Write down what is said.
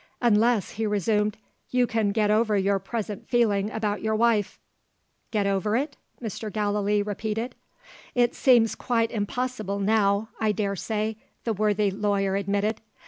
"Unless," he resumed, "you can get over your present feeling about your wife." "Get over it?" Mr. Gallilee repeated. "It seems quite impossible now, I dare say," the worthy lawyer admitted.